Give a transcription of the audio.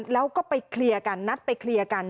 แล้วก็ไปแทบการแทบกัน